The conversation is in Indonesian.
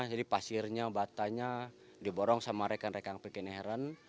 jadi pasirnya batanya diborong sama rekan rekan viking inherent